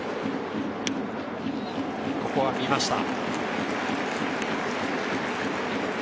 ここは見ました。